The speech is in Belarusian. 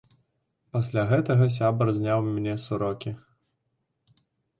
Пасля гэтага сябар зняў мне сурокі.